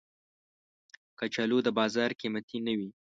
کچالو د بازار قېمتي نه وي